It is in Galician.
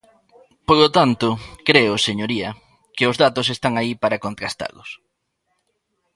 Polo tanto, creo, señoría, que os datos están aí para contrastalos.